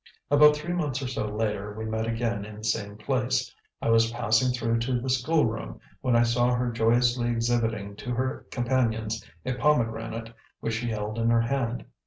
About three months or so later we met again in the same place. I was passing through to the school room, when I saw her joyously exhibiting to her companions a pomegranate which she held in her hand.